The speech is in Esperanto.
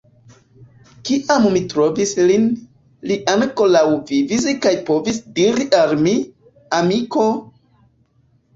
Kiam mi trovis lin, li ankoraŭ vivis kaj povis diri al mi: «Amiko...